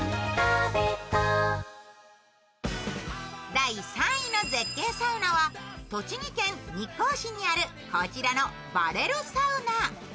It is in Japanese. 第３位の絶景サウナは栃木県日光市にあるこちらのバレルサウナ。